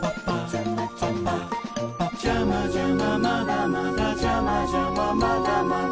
「ジャマジャマまだまだジャマジャマまだまだ」